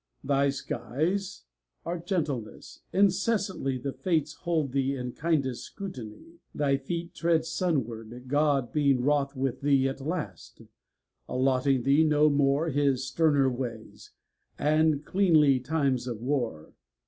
Thy skies Are gentleness. Incessantly the Fates Hold thee in kindest scrutiny. Thy feet Tread sunward, God being wroth with thee at last, Alloting thee no more His sterner ways And cleanly times of war.